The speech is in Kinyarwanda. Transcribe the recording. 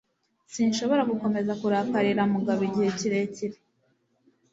Sinshobora gukomeza kurakarira Mugabo igihe kirekire.